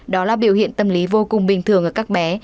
đó là biểu hiện tâm lý vô cùng bình thường ở các bé